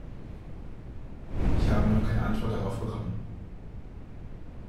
Ich habe noch keine Antwort darauf bekommen.